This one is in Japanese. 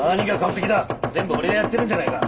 全部俺がやってるんじゃないか！